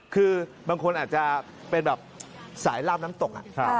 คือบางคนอาจจะเป็นแบบสายลาบน้ำตก